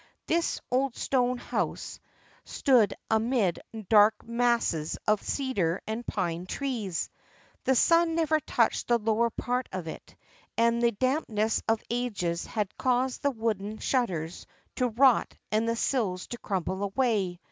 This old stone house stood amid dark masses of cedar and pine trees. The sun never touched the lower part of it and the dampness of ages had caused the wooden shut ters to rot and the sills to crumble away.